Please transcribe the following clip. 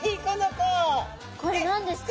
これ何ですか？